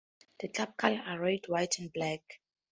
The club's colors are red, white and black.